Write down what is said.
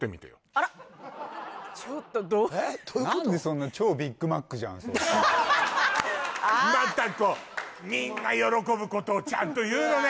あらちょっと何でそんなそれじゃまたこうみんな喜ぶことをちゃんと言うのね